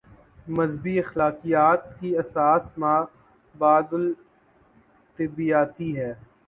مذہبی اخلاقیات کی اساس مابعد الطبیعیاتی ہے۔